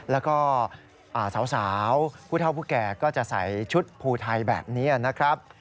แล้วก็สาวผู้เท่าผู้แก่ก็จะใส่ชุดภูไทยแบบนี้นะครับ